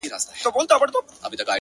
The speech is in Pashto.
• راسره جانانه ـ